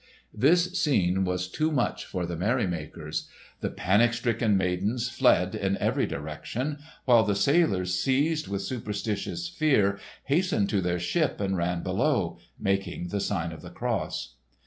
This scene was too much for the merrymakers. The panic stricken maidens fled in every direction, while the sailors seized with superstitious fear hastened to their ship and ran below, making the sign of the cross.